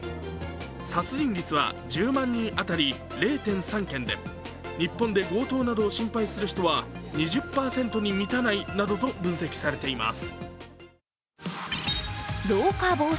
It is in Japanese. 殺人率は１０万人当たり０．３件で日本で強盗などを心配する人は２０％に満たないなどと分析されています。